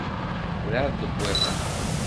Ur εad d-wwiḍen.